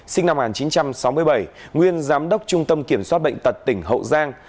sinh năm một nghìn chín trăm sáu mươi bảy nguyên giám đốc trung tâm kiểm soát bệnh tật tỉnh hậu giang